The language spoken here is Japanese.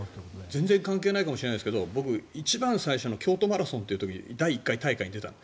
全然関係ないかもしれないけど僕、一番最初の京都マラソンという第１回大会に出たの。